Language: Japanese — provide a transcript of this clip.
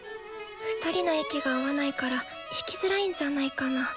２人の息が合わないから弾きづらいんじゃないかな？